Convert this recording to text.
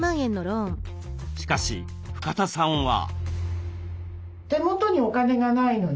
しかし深田さんは。